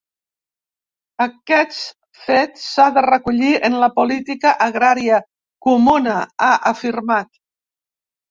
Aquest fet s’ha de recollir en la política agrària comuna, ha afirmat.